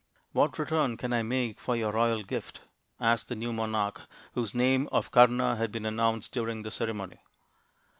c c What return can I make for your royal gift ?" asked the new monarch, whose name of Kama had been announced during the ceremony.